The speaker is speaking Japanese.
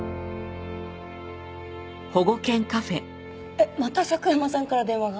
えっまた佐久山さんから電話が？